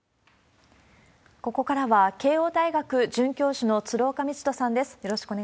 ここからは、慶応大学准教授の鶴岡路人さんです。